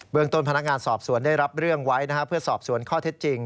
เมืองต้นพนักงานสอบสวนได้รับเรื่องไว้เพื่อสอบสวนข้อเท็จจริง